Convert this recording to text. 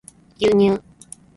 牛乳